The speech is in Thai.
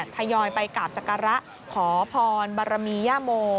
ทยอยไปกราบศักระขอพรบรมียโม